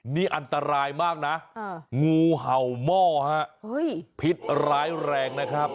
นี่อันตรายมากนะงูเห่าหม้อฮะพิษร้ายแรงนะครับ